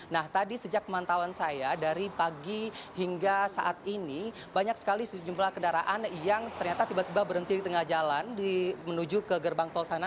nah tadi sejak pemantauan saya dari pagi hingga saat ini banyak sekali sejumlah kendaraan yang ternyata tiba tiba berhenti di tengah jalan menuju ke gerbang tol sana